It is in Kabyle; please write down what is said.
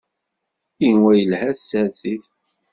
Yenwa yelha tsertit.